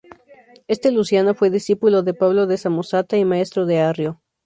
Este Luciano fue discípulo de Pablo de Samosata y maestro de Arrio.